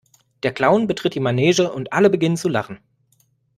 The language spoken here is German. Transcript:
Der Clown betritt die Manege und alle beginnen zu Lachen.